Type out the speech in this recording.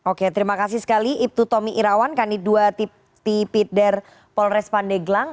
oke terima kasih sekali ibtu tommy irawan kandidua tipi der polres pandeglang